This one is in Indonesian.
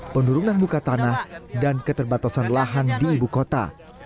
penurunan muka tanah dan keterbatasan lahan di ibu kota